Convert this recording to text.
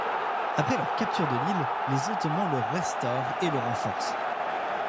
Après leur capture de l'île, les Ottomans le restaurent et le renforcent.